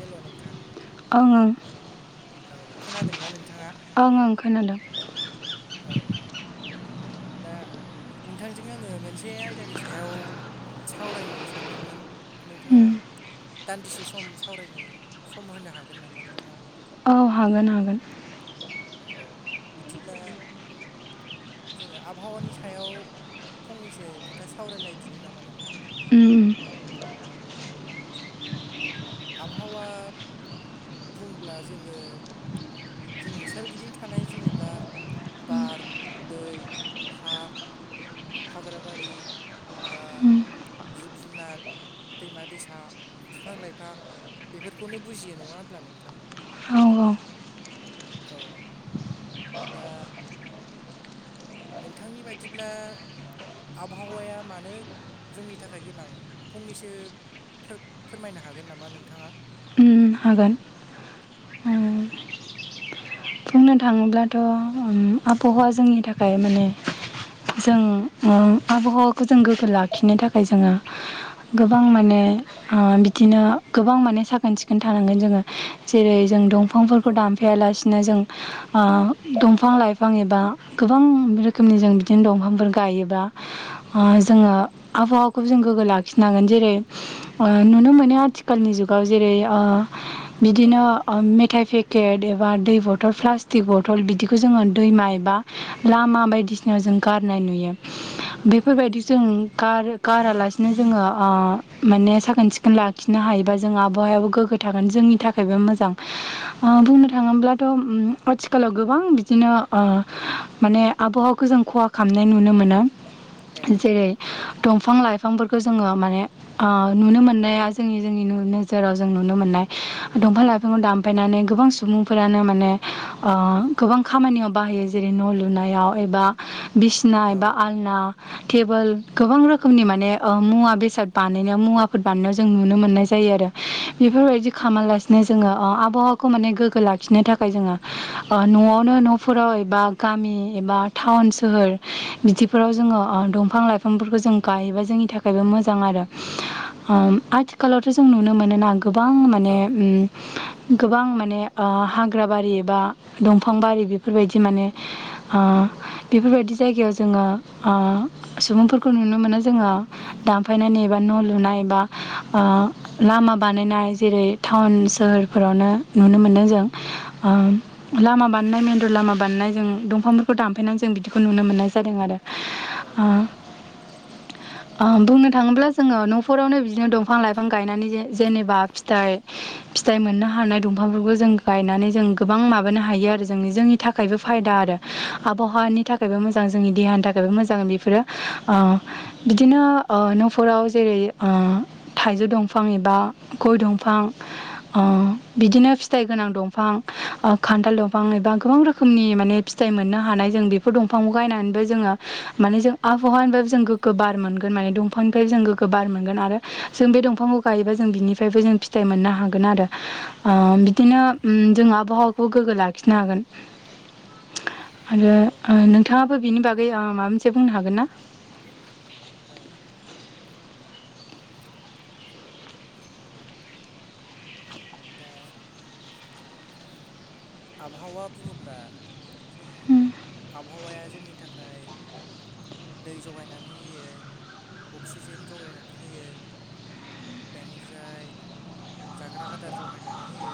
हेल' नोंथां ओं ओं औ खोनादोंना नोंथाङा ओं ओं खोनादों औ दा नोंथांजों आङो मोनसे आयदानि सायाव सावरायनो सानदोंमोन नोंथाङा उम दान्दिसे सम सावरायनो सम होनो हागोन नामा नोंथाङा औ हागोन हागोन औ बिदिब्ला जोङो आबहावानि सायाव फंनैसो खोथा सावरायलायदिनि नामा नोंथां ओम आबहावा बुंब्ला जोङो जोंनि सोरगिदिं थानाय जेनेबा बार दै हा हाग्राबारि बा उम उम जिब जुनार दैमा दैसा बिफां लाइफ एफा बेफोरखौनो बुजियो नङा होनब्ला नोंथां औ औ औ दा नोंथांनि बायदिब्ला आबहावाया मानो जोंनि थाखाय गोनां फंनैसो फो-फोरमायनो हागोन नामा नोंथाङा हागोन उम बुंनो थाङोब्लाथ' आबहावा जोंनि थाखाय माने जों आबहावाखौ जों गोग्गो लाखिनो थाखाय जोङो गोबां माने बिदिनो गोबां माने साखोन सिखोन थानांगोन जोङो जेरै जों दंफां औ दफांफोरखौ दानफायालासिनो जों दंफां लाइफां एबा गोबां रोखोमनि जों बिदिनो दंफांफोर गायोबा ओ जोङो आबहावाखौबो जों गोग्गो लाखिनांगोन जों जेरै नुनो मोनो आथिखालनि जुगाव जेरै ओ औ बिदिनो मेथाइ पेकेट एबा दै बथ बथल प्लास्टिक बथल बिदिखौ जोङो दैमा एबा लामा बायदिसिनायाव जों गारनाय नुयो। बेफोरबायदि जों गार गारालासिनो जोङो ओ माने साखोन सिखोन लाखि लाखिनो हायोबा जोंहा आबहावायाबो गोग्गो थागोन जोंनि थाखायबो मोजां ओ बुंनो थाङोब्ला थ' आथिखालाव गोबां बिदिनो ओ माने आबहावाखौ जों खहा खालामनाय नुनो मोनो। औ जेरै दंफां लाइफांफोरखौ जोङो माने ओ नुनो मोननाया जोंनि जोंनि नोजोराव जों नुनो मोननाय दंफां लाइफ दानफायनानै गोबां सुबुंफोरानो मान माने ओ गोबां खामानियाव बाहायो जेरै न' लुनायाव एबा बिसना औ बा आलना टेबोल गोबां रोखोमनि माने ओ मुवा बेसाद बानायनायाव मुवाफोर बानायनायाव जों नुनो मोननाय जायो आरो। बेफोरबायदि खामालासिनो जोङो ओ आबहावखौ माने गोग्गो लाखिनो थाखाय थाखाय जोङो न'आवनो न'फोराव एबा गामि एबा टाउन सोहोर बिदिफोराव जोङो ओ दंफां लाइफांफोरखौ जों गायोबा जोंनि थाखायबो मोजां आरो। ओ आथिखालावथ' जों नुनो मोनोना गोबां औ माने ओम गोबां माने हा हाग्रा बारि एबा दंफां बारि बेफोरबायदि माने ओ बेफोरबायदि जायगायाव जोङो ओ सुबुंफोरखौ नुनो मोनो जोङो दानफायनानै एबा न' लुनाय बा ओ लामा बानायनाय जेरै टाउन सोहोरफोरावनो नुनो मोनदों जों। लामा बानायनाय मेन्दर लामा बानायनाय जों दंफांफोरखौ दानफायनानै जों बिदिखौ नुनो मोननाय जायो। जादों आरो ओ [inaudible] ओ बुंनो थाङोब्ला जोङो न'फोरावनो बिदिनो दंफां लाइफां गायनानै जेनेबा फिथाइ फिथाइ मोननो हानाय दंफांफोरखौ जों गायनानै जों गोबां माबानो हायो आरो जोंनि जोंनि थाखायबो फायदा आरो आबहावानि थाखाय थाखायबो मोजां जोंनि देहानि थाखायबो मोजां बेफोरो ओ बिदिनो ओ न'फोराव जेरै ओ थाइजौ दंफां एबा गय दंफां औ ओ बिदिनो फिथाइ गोनां दंफां ओ खान्थाल दंफां एबा गोबां रोखोमनि माने फिथाइ मोननो हानाय जों बि फोर दंफांखौ गायनानैबो जोङो माने जों आबहावानि फ्राय जों गोग्गो बार मोनगोन माने दंफां दंफांनिफ्राय जों गोग्गो बार मोनगोन आरो जों बे दंफांखौ गायोबा जों बिनिफ्रायबो जों फिथाइ मोननो हागोन आरो ओ औ बिदिनो ओम जों आबहावाखौ गोग्गो लाखिनो हागोन। आरो औ नोंथाङाबो बिनि बागै ओ माबा मोनसे बुंनो हागोन ना? औ। दा आबहावा बुङोब्ला ए आबहावाया जोंनि थाखाय दै जगायनानै होयो अक्सिजेन जगायनानै होयो। बेनिफ्राय जाग्रा आदार जगायनानै होयो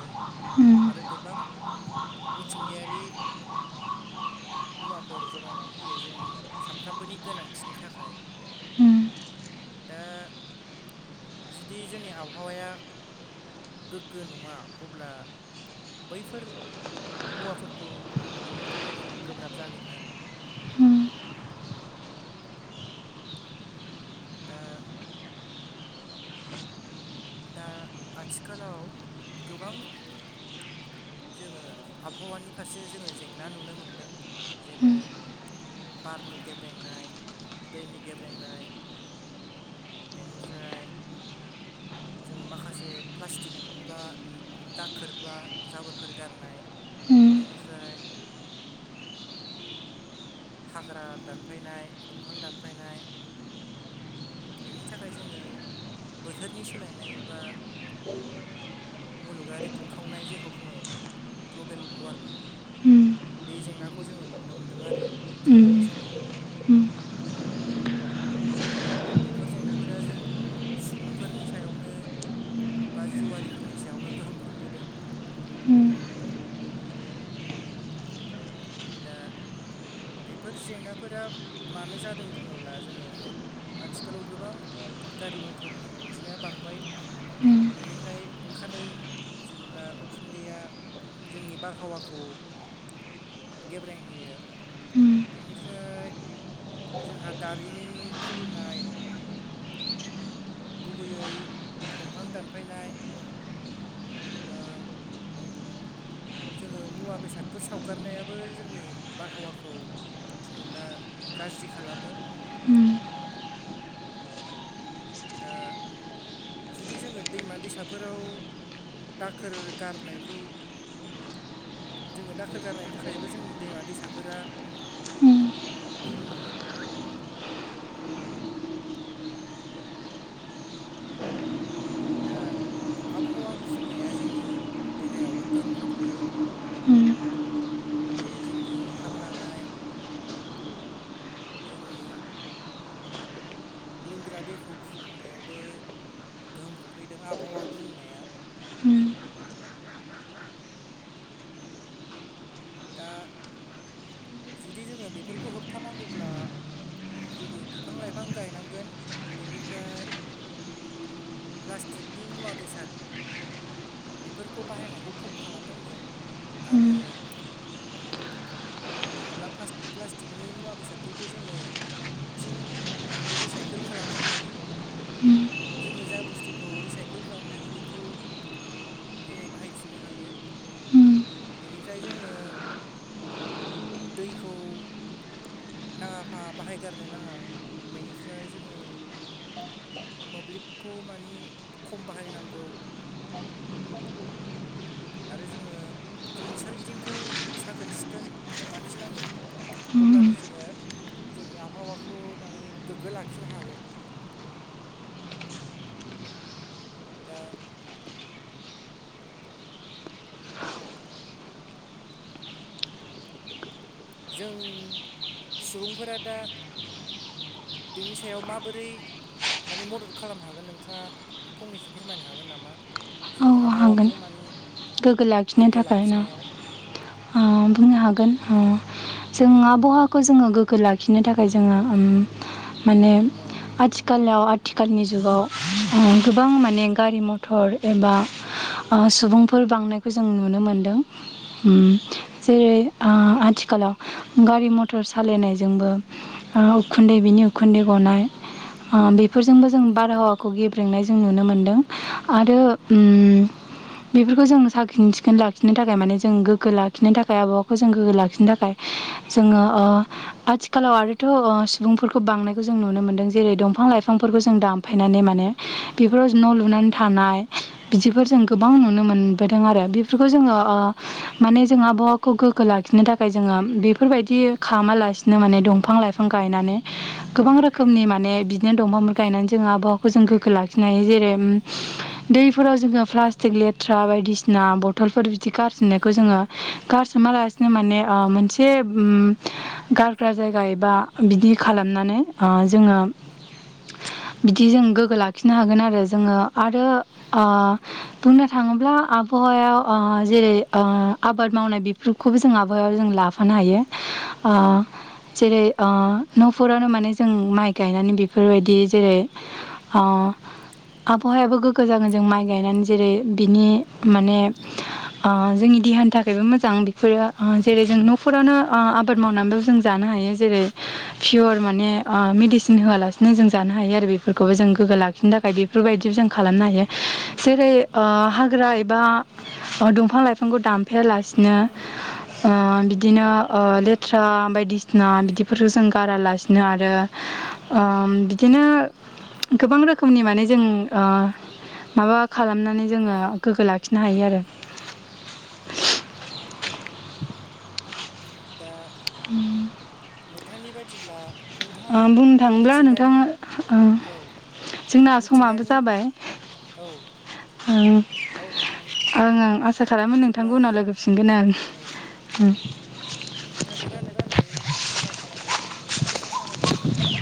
उम आरो गोबां मिथिंगायारि मुवाफोर जगायनानै होयो जोंनि सान सानफ्रामबोनि गोनांथिनि थाखाय उम दा जुदि जोंनि आबहावाया गोग्गो नङा अब्ला बैफोर मुवाफोरखौ मोननो थाखाय जोङो गोब्राब जागोन आरो दा दा आथिखालाव गोबां जोङो आबहावानि फारसे जोङो जेंना नुनो मोनदों जेरै बारनि गेब्रेंनाय दैनि गेब्रेंनाय बेनिफ्राय जोङो माखासे प्लास्टि बा दाखोर बा जाबोरफोर गारनाय उम उम बेनिफ्राय हाग्रा दानफायनाय दंफां दानफायनाय बेनि थाखाय जोङो बोथोरनि सोलायनाय बा [inaudible] मुलुगारि दुंखावनाय जेखौ बुङो ग्लबेल वार्मिं बे जेंनाखौ जोङो नुनो मोनदों आरो उम दिनैनि समाव। [inaudible] दा बेफोर जेंनाफोरा जों सुबुंफोरनि सायावनो बा जिउरारिफोरनि सायावनो गोहोम खोख्लैदों। दा बेफोर जेंनाफोरा मानो जादों बुङोब्ला जोङो आथिखालाव गोबां गारि मथरनि अनजिमाया बांबाय। बेनिफ्राय ओंखारनाय जेनब्ला उखुन्दैया जोंनि बारहावाखौ गेब्रें होयो। बेनिफ्राय जोंहा दारिमिन खुलिनाय गुबैयै दंफां दानफायनाय बा जोङो मुवा बेसादफोर सावगारनायाबो जोंनि बारहावाखौ जेनेब्ला गाज्रि खालामो। दा जुदि जोङो दैमा दैसाफोराव दाखोर गारनायखौ जोङो दाखोर गारनायनि थाखायबो जोंनि दैमा दैसाफोरा गुबुङो दा आबहावा गुफुंनाया जोंनि देहायावबो गोहोम खोख्लैयो। उम बे जोंनि हां लानाय जोंनि लोंग्रा देखौ गुबुंहायावबो गोहोम खोख्लैदों आबहावा गुबुंनाया। दा जुदि जोङो बेफोरखौ होबथानांगौब्ला जोङो बिफां लाइफां गायनांगोन बेनिफ्राय प्लास्टिकनि मुवा बेसाद बेफोरखौ बाहायनायखौ खम खालामनांगोन। उम आरो जेनेबा फास प्लास्टिकनि मुवा बेसादफोरखौ जोङो फिन माने रिसाइकोल खालामनो हायो। जोङो जा बुस्थुखौ रिसाइकोल खालामनो हायो बेखौ जोङो बाहायफिननो हायो। उम बेनिफ्राय जोङो दैखौ नाङा फाङा बाहायगारनो नाङा। बेनिफ्राय जोङो [inaudible] मोब्लिबखौ माने खम बाहायनांगौ। [inaudible] आरो जोङो जोंनि सोरगिदिंखौ साखोन सिखोन लाखिनांगौ। उम अब्लानो जोङो जोंनि आबहावाखौ माने गोग्गो लाखिनो हागोन। दा जों सुबुंफोरा दा बेनि सायाव माबोरै मानि मदद खालामनो हागोन नोंथाङा फंनैसो फोरमायनो हागोन नामा जोंनि औ हागोन आबहावाखौ मानि गोग्गो लाखिनो गोग्गो थाखाय ना लाखिनायाव ओ बुंनो हागोन जों आबहावाखौ जोंङो गोग्गो लाखिनो थाखाय जोंङो माने औ आथिखालाव आथिखालनि जुगाव गोबां माने गारि मथर एबा सुबुंफोर बांनायखौ जों नुनो मोनदों जेरै आथिखालाव गारि मथर सालायनायजोंबो उखुन्दै बिनि उखुन्दै गनाय बेफोरजोंबो जों बारहावाखौ गेब्रेंनाय जों नुनो मोनदों आरो उम बेफोरखौ जों साखोन सिखोन लाखिनो थाखाय माने जों गोग्गो लाखिनो थाखाय आबहावाखौ जों गोग्गो लाखिनो थाखाय जोंङो ओ आथिखालाव आरोथ' सुबुंफोरखौ बांनायखौ जों नुनो मोन्दों जेरै दंफां लाइफांफोरखौ जों दानफायनानै माने बेफोराव न' लुनानै थानाय बिदिफोर जों गोबां नुनो मोनबोदों औ आरो बेफोरखौ जोंङो ओ माने जों आबहावाखौ गोग्गो लाखिनो थाखाय जोङो बेफोरबायदि खालामालासिनो बिनो माने दंफां लाइफां गायनानै गोबां रोखोमनि माने बिदिनो दंफांफोर गायनानै जोंङो आबहावाखौ जों गोग्गो लाखिनो हायो जेरै दैफोराव जोङो प्लास्टिक लेथ्रा बायदिसिना बथलफोर बिदि गारसोमनायखौ जोङो गारसोमा बि माने मोनसे गारग्रा जायगा एबा बिदि खालामनानै जोंङो बिदि जों गोग्गो लाखिनो हागोन आरो जोङो आरो बुंनो थाङोब्ला आबहावायाव जेरै आबाद मावनाय बेफोरखौ खौबो जों आबहायाव जों लाफानो हायो जेरै न'फोरावनो माने जों माइ गायनानै बेफोरबायदि जेरै अ आबहावाया गोग्गो गोजान गोजान माइ गायनानै जेरै बिनि माने जोंनि देहानि थाखायबो मोजां बेफोरो जेरै जों औ न'फोररानो आबाद मावनानैबो जों जानो हायो जेरै पियर माने मेडिसिन होआलासिनो जों जानो हायो आरो बेफोरखौबो जों गोग्गो लाखिनो थाखाय बेफोरबायदिबो जोंखौ खालामनो हायो जेरै हाग्रा एबा अ दंफां लाइफांखौ दानफायालासिनो [inaudible] ओ बिदिनो लेथ्रा बायदिसिना बिदिफोरखौ जों गारालासिनो आरो बिदिनो गोबां रोखोमनि माने जों माबा खालामनानै जोंङो गोग्गो लाखिनो हायो आरो औ दा [inaudible] नोंथांनि बायदिब्ला नोंथाङा बुंनो थाङोब्ला मिथिंगानि नोंथां औ जोंना समाबो मिथिंगानि जाबाय औ औ नोंथां [inaudible] आंं आसा खालामो बिदिब्ला नोंथांखौ उनाव लोगोफिनगोन औ आं [inaudible] नोंथांजों रायलायनानै मोजां मोनबाय नोंथां नोंथांनिसिम साबायखर थाबाय